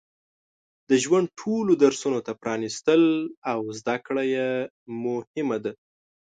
د ژوند ټولو درسونو ته پرانستل او زده کړه یې مهمه ده.